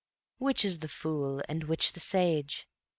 Which is the fool and which the sage?